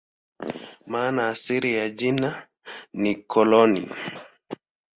Maana asili ya jina ni "koloni".